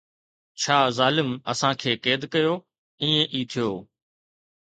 ڇا ظالم اسان کي قيد ڪيو، ائين ئي ٿيو